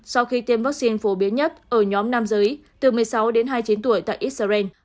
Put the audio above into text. sau khi tiêm vaccine phổ biến nhất ở nhóm nam giới từ một mươi sáu đến hai mươi chín tuổi tại israel